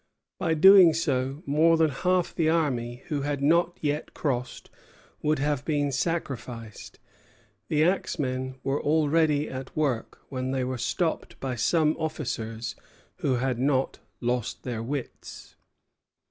By doing so more than half the army, who had not yet crossed, would have been sacrificed. The axemen were already at work, when they were stopped by some officers who had not lost their wits.